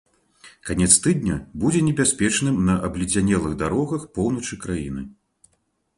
Канец тыдня будзе небяспечным на абледзянелых дарогах поўначы краіны.